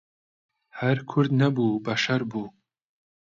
هەر کورد نەبوو بەشەر بوو